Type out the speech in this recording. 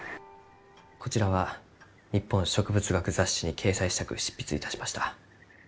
こちらは「日本植物学雑誌」に掲載したく執筆いたしました。